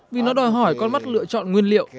vì nó đòi hỏi con mắt lựa chọn nguyên liệu